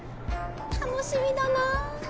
楽しみだなぁ。